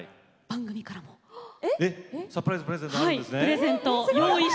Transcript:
サプライズプレゼントがあるんですね。